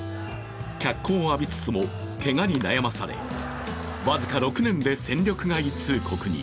脚光を浴びつつもけがに悩まされ僅か６年で戦力外通告に。